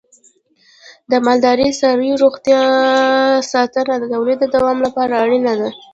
د مالدارۍ د څارویو روغتیا ساتنه د تولید د دوام لپاره اړینه ده.